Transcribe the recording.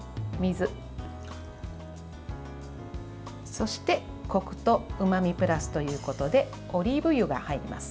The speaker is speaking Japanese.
そして、こくとうまみプラスということでオリーブ油が入ります。